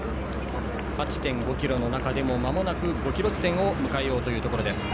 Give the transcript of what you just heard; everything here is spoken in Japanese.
８．５ｋｍの中でもまもなく５ｋｍ地点を迎えるところ。